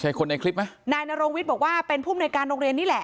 ใช่คนในคลิปไหมนายนรงวิทย์บอกว่าเป็นผู้มนุยการโรงเรียนนี่แหละ